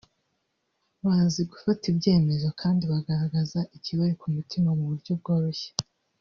bazi gufata ibyemezo kandi bagaragaza ikibari ku mutima mu buryo bworoshye